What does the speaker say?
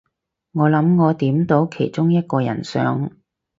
我諗我點到其中一個人相